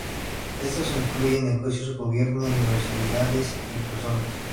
Estos incluyen negocios, gobiernos, universidades, y personas.